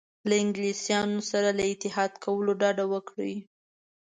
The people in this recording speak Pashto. له انګلستان سره له اتحاد کولو ډډه وکړي.